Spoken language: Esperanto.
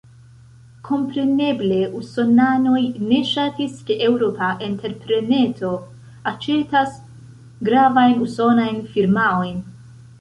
Kompreneble usonanoj ne ŝatis, ke eŭropa entrepreneto aĉetas gravajn usonajn firmaojn.